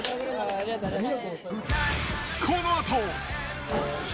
ありがとうございます。